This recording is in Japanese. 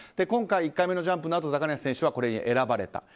今回１回目のジャンプなど高梨選手がこれに選ばれた。